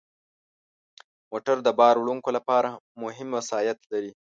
موټر د بار وړونکو لپاره مهم وسایط لري.